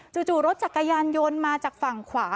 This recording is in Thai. จู่รถจักรยานยนต์มาจากฝั่งขวา